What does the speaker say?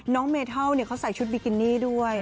เมทัลเขาใส่ชุดบิกินี่ด้วย